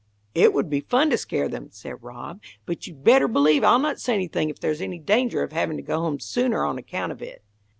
"It would be fun to scare them," said Rob, "but you'd better believe I'll not say anything if there's any danger of having to go home sooner on account of it."